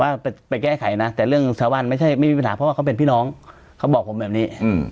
ว่าไปแก้ไขนะแต่เรื่องชาวบ้านไม่ใช่ไม่มีปัญหาเพราะว่าเขาเป็นพี่น้องเขาบอกผมแบบนี้